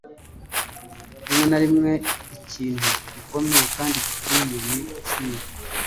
rimwe na rimwe, ikintu gikomeye kandi gikwiye ni kimwe